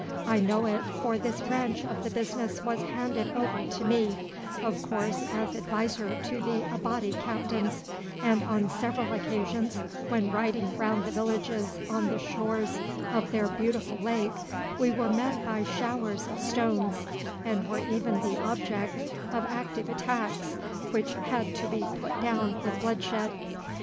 I know it, for this branch of the business was handed over to me, of course as adviser to the Abati captains, and on several occasions, when riding round the villages on the shores of their beautiful lake, we were met by showers of stones, and were even the object of active attacks which had to be put down with bloodshed.